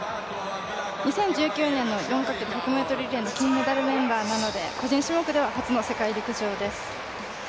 ２０１９年の４×１００ｍリレーの金メダルメンバーなので個人種目では初の世界陸上です。